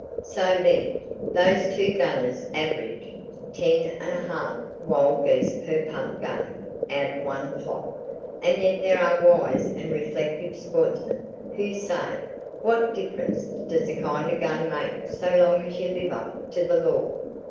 So then: those two gunners averaged 10 1/2 wild geese per pump gun out of one flock! And yet there are wise and reflective sportsmen who say, "What difference does the kind of gun make so long as you live up to the law?"